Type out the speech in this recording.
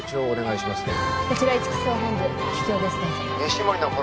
お願いします！